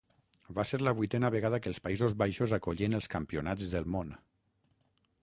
Va ser la vuitena vegada que els Països Baixos acollien els campionats del món.